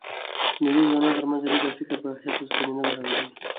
مېلې د ځوانانو ترمنځ د لید او فکر پراختیا ته زمینه برابروي.